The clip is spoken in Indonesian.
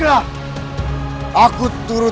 kau akan menang